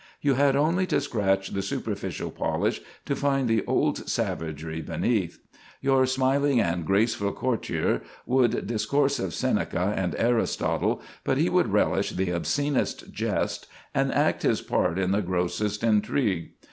You had only to scratch the superficial polish to find the old savagery beneath. Your smiling and graceful courtier would discourse of Seneca and Aristotle, but he would relish the obscenest jest and act his part in the grossest intrigue.